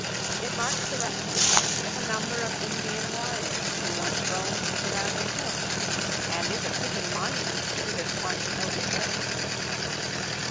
It marks the resting place of a number of Indian warriors who once roamed the surrounding hills, and is a fitting monument to this once noble race.